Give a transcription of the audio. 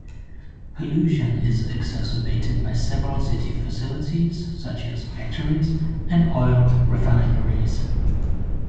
Pollution is exacerbated by several city facilities such as factories and oil refineries.